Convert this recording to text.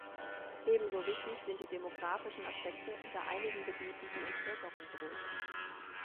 Ebenso wichtig sind die demografischen Aspekte, da einigen Gebieten die Entvölkerung droht.